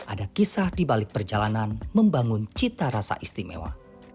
ada kisah di balik perjalanan membangun cita rasa istimewa